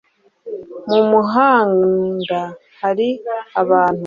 mu muhanda hari abantu